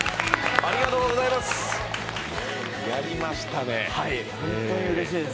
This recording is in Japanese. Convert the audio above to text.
ありがとうございます。